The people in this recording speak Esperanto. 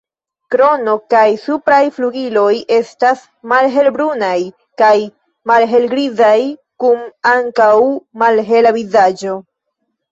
Krono kaj supraj flugiloj estas malhelbrunaj al malhelgrizaj, kun ankaŭ malhela vizaĝo.